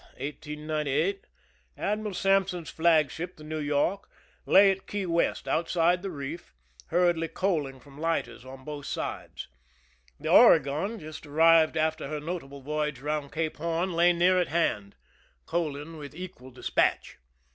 ON May 29, 1898, Admiral Sampson's flagship, the New York, lay at Key West, outside the reef^ hurriedly coaling from lighters on both sides. The Oregon, just arrived after her notable voyage around Cape Horn, lay near at hand, coaling with equal ^ 1 THE SINKING OF THE "MERRIMAC" despatch.